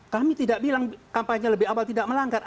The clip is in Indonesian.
kami tidak bilang kampanye lebih awal tidak melanggar